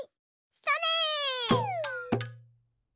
それ！